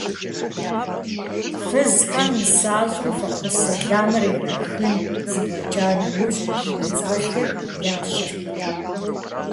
Фызхэм нысащӀэм фӀэхъус-сэламыр ирахын зэфӀэкӀа нэужь, ӀурыцӀэлъыр ящӀырт.